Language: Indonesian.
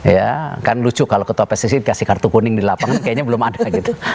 ya kan lucu kalau ketua pssi dikasih kartu kuning di lapangan kayaknya belum ada gitu